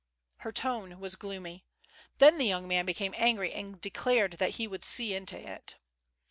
Her tone was gloomy. Then the young man became angry and declared that he would see into it.